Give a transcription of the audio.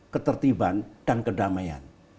ketertiban dan kedamaian